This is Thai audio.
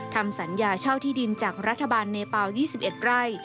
ทำสัญญาเช่าที่ดินจากรัฐบาลเนเปล่า๒๑ไร่